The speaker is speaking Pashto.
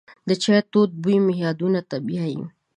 د چای تود بوی مې یادونو ته بیایي.